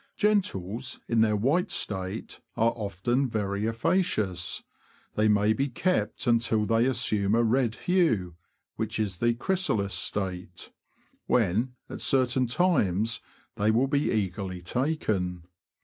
Gentles, in their white state, are often very efficacious ; they may be kept until they assume a red hue (which is the chrysaHs state), when, at certain times, they will be eagerly taken.